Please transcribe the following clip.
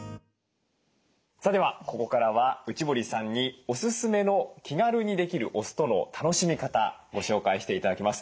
さあではここからは内堀さんにおすすめの気軽にできるお酢との楽しみ方ご紹介して頂きます。